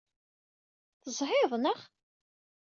Tezhiḍ, naɣ?